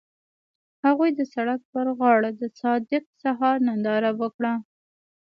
هغوی د سړک پر غاړه د صادق سهار ننداره وکړه.